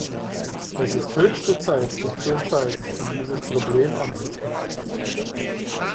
Es ist höchste Zeit, sich zu entscheiden, um dieses Problem anzusprechen.